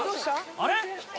あれ？